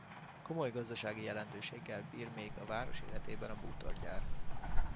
Komoly gazdasági jelentőséggel bír még a város életében a bútorgyár.